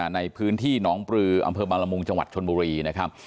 ในพื้นที่หนองปลืออำเภอบางละมุงจังหวัดชนบุรีนะครับ